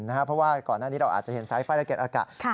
เพราะว่าก่อนหน้านี้เราอาจจะเห็นสายไฟละเอียดอากาศ